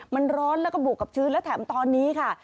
มันร้อนแล้วก็บวกกับชื้นและแถมตอนนี้ค่ะ